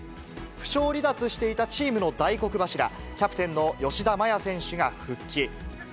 負傷離脱していたチームの大黒柱、キャプテンの吉田麻也選手が復帰。